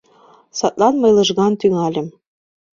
Садлан мый лыжган тӱҥальым.